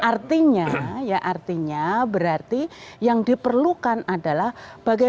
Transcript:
artinya ya artinya berarti yang diperlukan adalah bagaimana